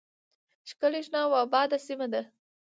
، ښکلې، شنه او آباده سیمه ده.